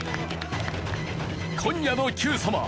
今夜の『Ｑさま！！』